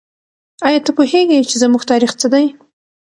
آیا ته پوهېږې چې زموږ تاریخ څه دی؟